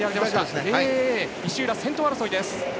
石浦、先頭争いです。